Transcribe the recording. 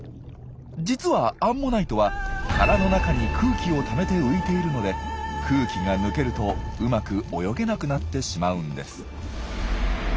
実はアンモナイトは殻の中に空気をためて浮いているので空気が抜けるとうまく泳げなくなってしまうんです。